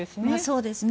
そうですね。